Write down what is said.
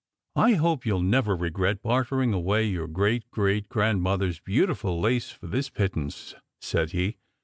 "I hope you ll never regret bartering away your great great grandmother s beautiful lace for this pittance," said he.